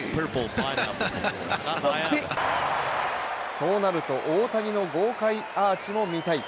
そうなると大谷の豪快アーチも見たい。